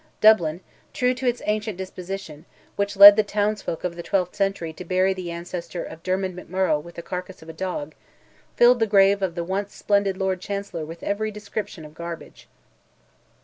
Dublin, true to its ancient disposition, which led the townsfolk of the twelfth century to bury the ancestor of Dermid McMurrogh with the carcass of a dog, filled the grave of the once splendid Lord Chancellor with every description of garbage.